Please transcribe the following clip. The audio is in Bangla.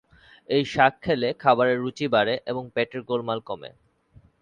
এই শাক খেলে খাবারের রুচি বাড়ে এবং পেটের গোলমাল কমে।